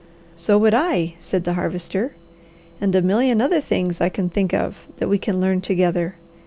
"So would I," said the Harvester. "And a million other things I can think of that we can learn together.